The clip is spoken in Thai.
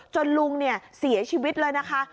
จนลุงเนี่ยเสียชีวิตเลยนะคะ